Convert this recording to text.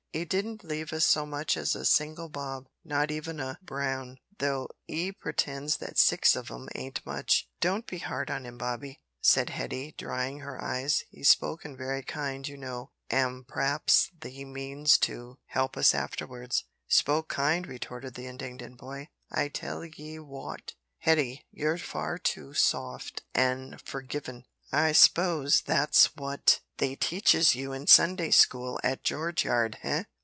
"'E didn't leave us so much as a single bob not even a brown, though 'e pretends that six of 'em ain't much." "Don't be hard on him, Bobby," said Hetty, drying her eyes; "he spoke very kind, you know, an' p'raps he means to help us afterwards." "Spoke kind," retorted the indignant boy; "I tell 'ee wot, Hetty, you're far too soft an' forgivin'. I s'pose that's wot they teaches you in Sunday school at George Yard eh?